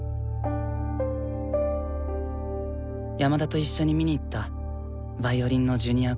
山田と一緒に見に行ったヴァイオリンのジュニアコンクール。